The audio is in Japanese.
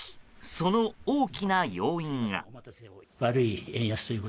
その大きな要因が。